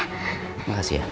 terima kasih ya